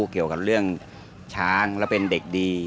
เกี่ยวกับเรื่องช้างและเป็นเด็กดี